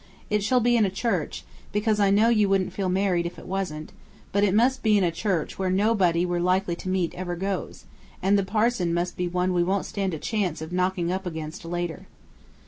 It shall be in church, because I know you wouldn't feel married if it wasn't, but it must be in a church where nobody we're likely to meet ever goes; and the parson must be one we won't stand a chance of knocking up against later.